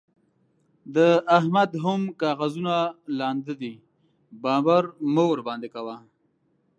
د احمد هم کاغذونه لانده دي؛ باور مه ورباندې کوه.